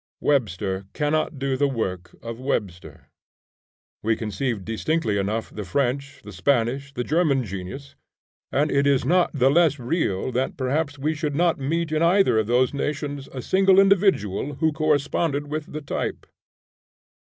Webster cannot do the work of Webster. We conceive distinctly enough the French, the Spanish, the German genius, and it is not the less real that perhaps we should not meet in either of those nations a single individual who corresponded with the type.